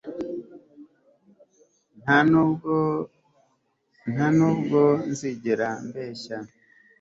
nta n'ubwo nzigera mbeshya